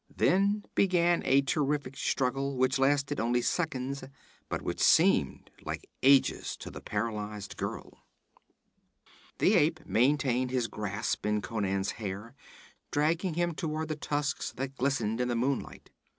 Then began a terrific struggle, which lasted only seconds, but which seemed like ages to the paralyzed girl. The ape maintained his grasp in Conan's hair, dragging him toward the tusks that glistened in the moonlight.